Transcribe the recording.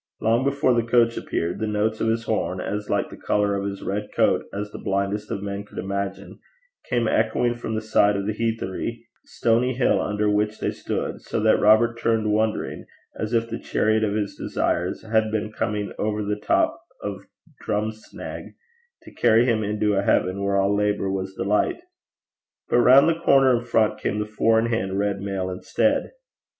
Long before the coach appeared, the notes of his horn, as like the colour of his red coat as the blindest of men could imagine, came echoing from the side of the heathery, stony hill under which they stood, so that Robert turned wondering, as if the chariot of his desires had been coming over the top of Drumsnaig, to carry him into a heaven where all labour was delight. But round the corner in front came the four in hand red mail instead.